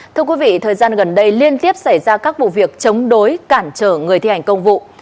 thưa quý vị thời gian gần đây liên tiếp xảy ra các vụ việc chống đối cản trở người thi hành công vụ